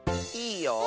いいよ。